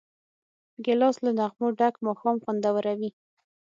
ګیلاس له نغمو ډک ماښام خوندوروي.